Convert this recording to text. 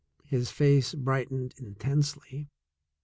His face brightened intensely.